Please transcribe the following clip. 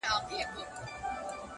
o خود دي خالـونه پــه واوښتــل،